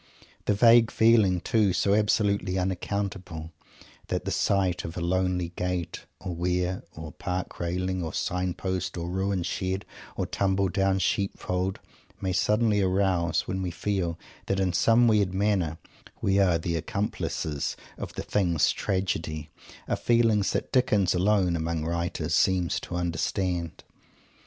The vague feelings, too, so absolutely unaccountable, that the sight of a lonely gate, or weir, or park railing, or sign post, or ruined shed, or tumble down sheep fold, may suddenly arouse, when we feel that in some weird manner we are the accomplices of the Thing's tragedy, are feelings that Dickens alone among writers seems to understand.